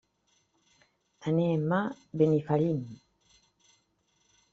Anem a Benifallim.